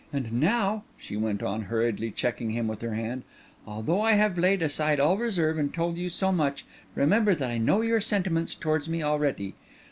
And now," she went on, hurriedly checking him with her hand, "although I have laid aside all reserve and told you so much, remember that I know your sentiments towards me already.